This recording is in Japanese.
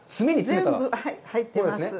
全部入ってます。